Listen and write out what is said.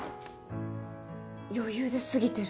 余裕で過ぎてる。